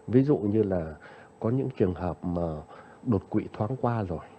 ví dụ như là có những trường hợp mà đột quỵ thoáng qua rồi